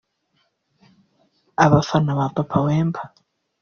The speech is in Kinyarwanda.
Abafana ba Papa Wemba